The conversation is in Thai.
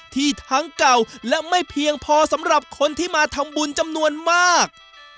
ทั้งเก่าและไม่เพียงพอสำหรับคนที่มาทำบุญจำนวนมาก